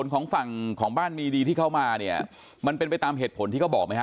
ของฝั่งของบ้านมีดีที่เขามาเนี่ยมันเป็นไปตามเหตุผลที่เขาบอกไหมฮ